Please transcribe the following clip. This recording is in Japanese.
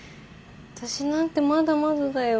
私なんてまだまだだよ。